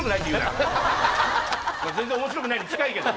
全然面白くないに近いけど。